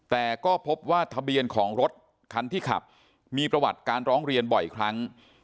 แต่ก็พบว่าทะเบียนของรถคันที่ขับมีประวัติการร้องเรียนบ่อยครั้ง